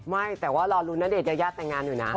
ไม่แต่ว่ารอรุณเดชนยายาแต่งงานอยู่นะ